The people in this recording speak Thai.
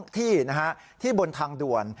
๖ที่ที่บนทางด่วน